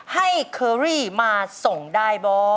เคอรี่มาส่งได้บ่